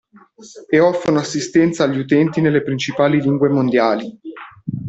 E offrono assistenza agli utenti nelle principali lingue mondiali.